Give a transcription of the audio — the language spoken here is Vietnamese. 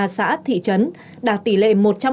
xã thị trấn đạt tỷ lệ một trăm linh